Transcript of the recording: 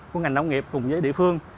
của ngành nông nghiệp cùng với địa phương